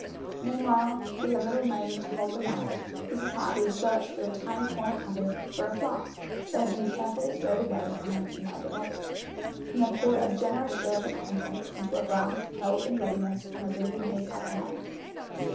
Meanwhile, with a little maid to hold the light, Mrs. Hartley searched through a tiny corner cupboard for a flask that had been carefully stowed away behind some larger bottles, and then poured a generous share of its contents into a glass held in readiness in the little maid's other hand.